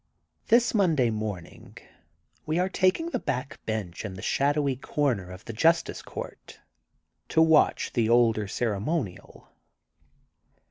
This Monday morning we are taking the back bench in the shadowy comer of the justice court to watch the older ceremonial.